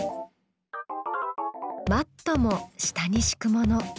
マットも下にしくもの。